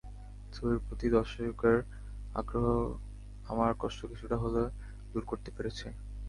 ছবির প্রতি দর্শকদের আগ্রহ আমার কষ্ট কিছুটা হলে দূর করতে পেরেছে।